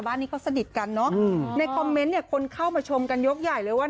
นี้เขาสนิทกันเนอะในคอมเมนต์เนี่ยคนเข้ามาชมกันยกใหญ่เลยว่า